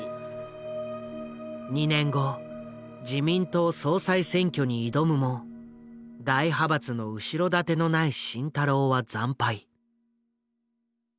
２年後自民党総裁選挙に挑むも大派閥の後ろ盾のない慎太郎は惨敗。